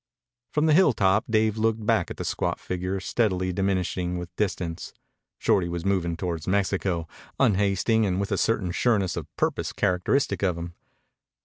From the hilltop Dave looked back at the squat figure steadily diminishing with distance. Shorty was moving toward Mexico, unhasting and with a certain sureness of purpose characteristic of him.